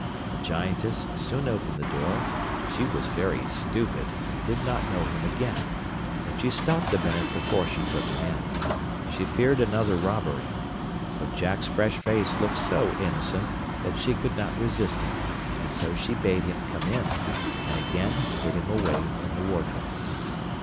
The Giantess soon opened the door; she was very stupid, and did not know him again, but she stopped a minute before she took him in. She feared another robbery; but Jack's fresh face looked so innocent that she could not resist him, and so she bade him come in, and again hid him away in the wardrobe.